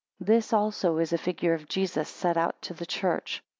15 This also is a figure of Jesus, set out to the church.